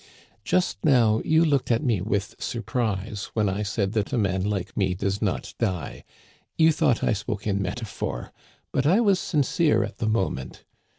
Just now you looked at me with surprise when I said that a man like me does not die ; you thought I spoke in metaphor, but I was sincere at the moment.